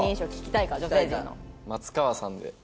松川さんで。